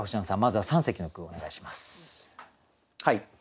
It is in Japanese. はい。